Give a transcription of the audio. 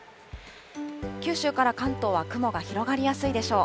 九州から関東は雲が広がりやすいでしょう。